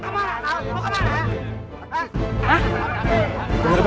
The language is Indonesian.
mau kemana bang mau kemana